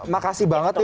makasih banget nih